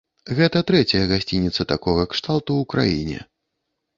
Гэта трэцяя гасцініца такога кшталту ў краіне.